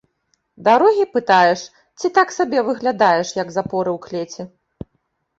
Дарогі пытаеш ці так сабе выглядаеш, як запоры ў клеці?